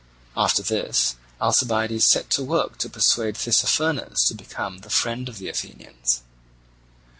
After this Alcibiades set to work to persuade Tissaphernes to become the friend of the Athenians.